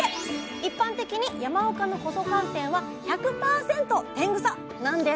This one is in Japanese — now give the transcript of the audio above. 一般的に山岡の細寒天は１００％天草なんです